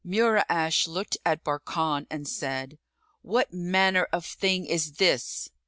Mura'ash looked at Barkan and said, "What manner of thing is this?"